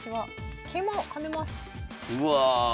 うわ！